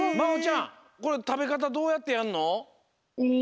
これたべかたどうやってやんの？